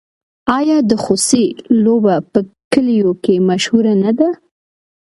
آیا د خوسي لوبه په کلیو کې مشهوره نه ده؟